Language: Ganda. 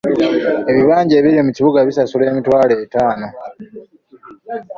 Ebibanja ebiri mu bibuga bisasula emitwalo etaano.